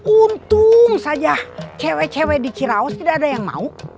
untung saja cewek cewek di cirawas tidak ada yang mau